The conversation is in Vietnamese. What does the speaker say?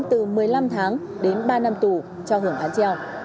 từ một mươi năm tháng đến ba năm tù giam